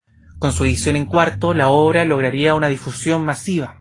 Con su edición en cuarto, la obra lograría una difusión masiva.